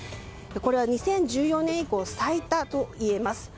これは２０１４年以降最多と言えます。